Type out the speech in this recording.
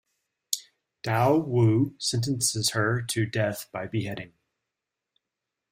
Tao Wu sentences her to death by beheading.